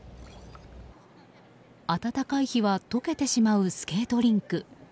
暖かい日は解けてしまうスケートリンク。